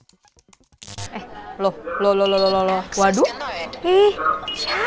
eh loh loh loh loh loh loh loh waduh ih siapa